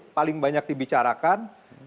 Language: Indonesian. yang paling banyak dibicarakan